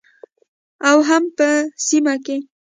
او هم په سیمه کې